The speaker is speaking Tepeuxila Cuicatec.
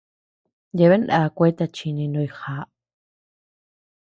Yeabean ndea kueta chini ndoyo jaa.